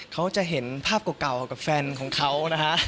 เขาจะเห็นภาพเก่ากับแฟนของเขานะฮะ